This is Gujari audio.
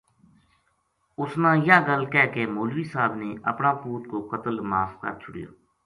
اس نا یاہ گل کہہ کے مولوی صاحب نے اپنا پُوت کو قتل معاف کر چھُڑیو